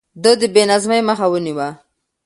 ده د بې نظمۍ مخه ونيوه.